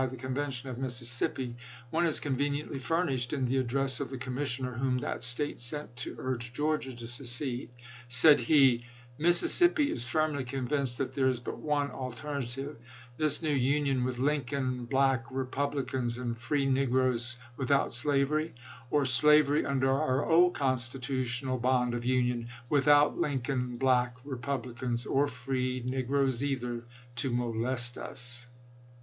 the convention of Mississippi, one is conveniently furnished in the address of the commissioner whom that State sent to urge Georgia to secede. Said he: Mississippi is firmly convinced that there is but one alternative. This new union with Lincoln Black Repub licans and free negroes, without slavery; or, slavery under our old constitutional bond of union, without Lin coln Black Republicans or free negroes either, to mo lest us.